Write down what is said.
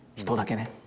人だけね。